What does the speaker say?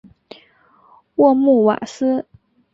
沃穆瓦斯。